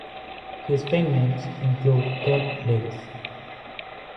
His pen names include Curt Davis.